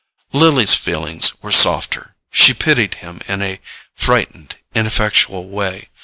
Lily's feelings were softer: she pitied him in a frightened ineffectual way.